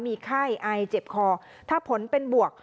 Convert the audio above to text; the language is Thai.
มีไข้ไอเจ็บคอถ้าผลเป็นบวก